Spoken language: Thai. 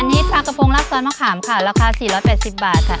อันนี้ปลากระโพงราดซอสมะขามค่ะราคาสี่ร้อนเป็นสิบบาทค่ะ